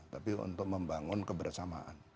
tapi untuk membangun kebersamaan